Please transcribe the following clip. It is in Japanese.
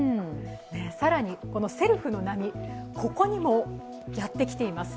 更にセルフの波、ここにもやってきています。